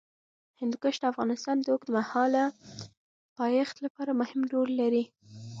هندوکش د افغانستان د اوږدمهاله پایښت لپاره مهم رول لري.